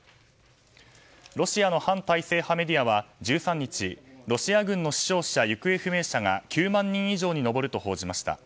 ロシアの反体制派メディアは１３日ロシア軍の死傷者、行方不明者が９万人以上に上ると報じました。